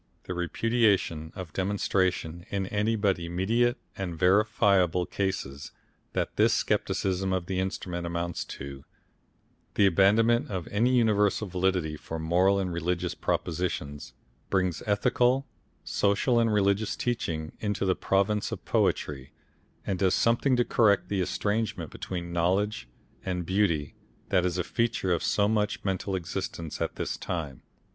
The repudiation of demonstration in any but immediate and verifiable cases that this Scepticism of the Instrument amounts to, the abandonment of any universal validity for moral and religious propositions, brings ethical, social and religious teaching into the province of poetry, and does something to correct the estrangement between knowledge and beauty that is a feature of so much mental existence at this time.